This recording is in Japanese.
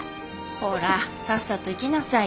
ほらさっさと行きなさいよ。